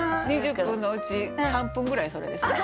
２０分のうち３分ぐらいそれですね。